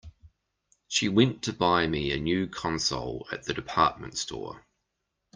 She went to buy me a new console at the department store.